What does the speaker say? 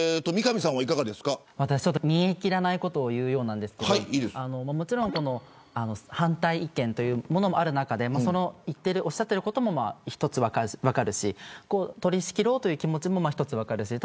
煮え切らないことを言うようですがもちろん反対意見もある中でおっしゃっていることも一つ分かるし取り仕切ろうという気持ちも分かるし。